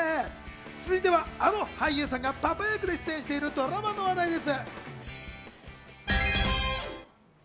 続いては、あの俳優さんがパパ役で出演しているドラマの話題です。